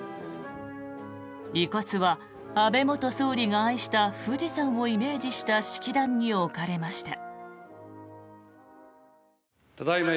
遺骨は安倍元総理が愛した富士山をイメージした式壇に置かれました。